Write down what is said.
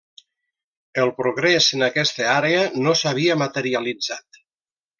El progrés en aquesta àrea no s'havia materialitzat.